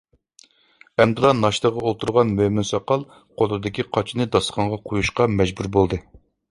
ئەمدىلا ناشتىغا ئولتۇرغان مۆمىن ساقال قولىدىكى قاچىنى داستىخانغا قويۇشقا مەجبۇر بولدى.